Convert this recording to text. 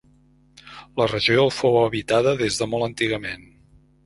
La regió fou habitada des de molt antigament.